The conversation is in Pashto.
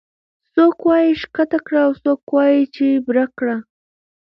څوک وايي ښکته کړه او څوک وايي چې بره کړه